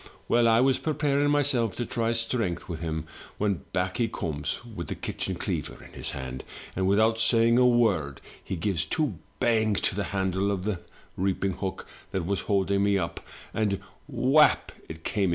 " Well, I was preparing myself to try strength with him, when back he comes, with the kitchen cleaver in his hand, and without saying a word he gives two bangs to the handle of the reaping hook that was holding me up, and whap, it came in two.